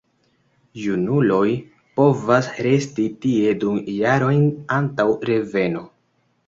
Junuloj povas resti tie du jarojn antaŭ reveno.